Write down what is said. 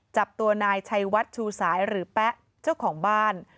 จับตัวนายชัยวัดชูสายหรือแป๊ะเจ้าของบ้าน